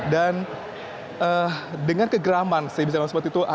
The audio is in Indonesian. dan dengan kegeraman saya bisa bilang seperti itu